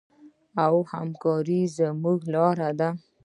او همکاري زموږ لاره ده.